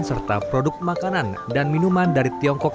serta produk makanan dan minuman dari tiongkok